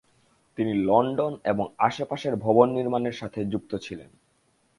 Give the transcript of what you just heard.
তিনি লন্ডন এবং এর আশেপাশের ভবন নির্মাণের সাথে যুক্ত ছিলেন।